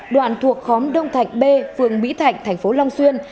đoạn thuộc khóm đông thạnh b phường mỹ thạnh tp long xuyên